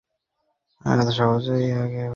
তোমরা সহজেই ইরাকে পৌঁছে যাবে।